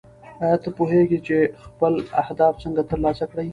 ایا ته پوهېږې چې خپل اهداف څنګه ترلاسه کړې؟